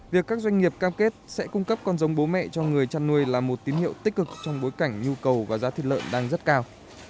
việc các doanh nghiệp cam kết sẽ cung cấp con giống bố mẹ cho người chăn nuôi là một tín hiệu tích cực trong bối cảnh nhu cầu và giá thịt lợn đang rất cao